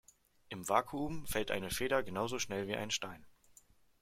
Im Vakuum fällt eine Feder genauso schnell wie ein Stein.